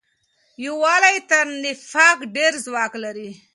یووالی تر نفاق ډېر ځواک لري.